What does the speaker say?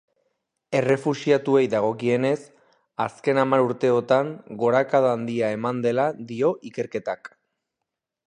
Errefuxiatuei dagokienez, azken hamar urteotan gorakada handia eman dela dio ikerketak.